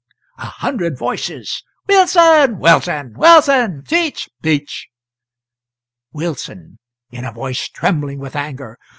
A Hundred Voices. "Wilson! Wilson! Wilson! Speech! Speech!" Wilson [in a voice trembling with anger].